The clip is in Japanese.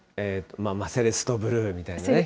マセレストブルーみたいな。